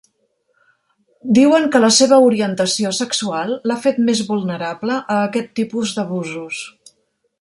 Diuen que la seva orientació sexual l'ha fet més vulnerable a aquest tipus d'abusos.